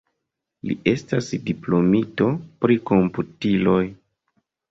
Li estas diplomito pri komputiloj.